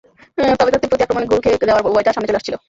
তবে তাতে প্রতি আক্রমণে গোল খেয়ে যাওয়ার ভয়টা সামনে চলে আসছিল।